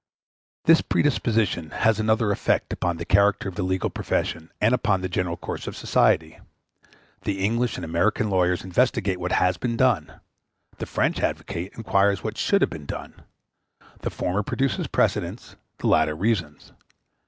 This predisposition has another effect upon the character of the legal profession and upon the general course of society. The English and American lawyers investigate what has been done; the French advocate inquires what should have been done; the former produce precedents, the latter reasons.